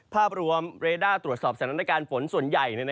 ภาพรวมเรด้าตรวจสอบสถานการณ์ฝนส่วนใหญ่